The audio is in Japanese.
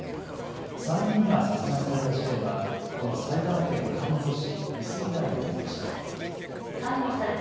３人が殺害された事件はこの埼玉県飯能市美杉台で起きました。